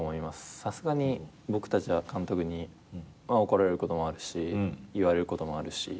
さすがに僕たちは監督に怒られることもあるし言われることもあるし。